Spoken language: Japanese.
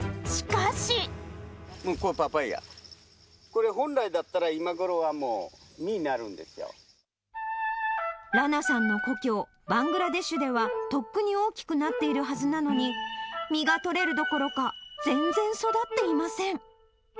これ、本来だったら、今頃はもう実、羅名さんの故郷、バングラデシュでは、とっくに大きくなっているはずなのに、実が取れるどころか、全然育っていません。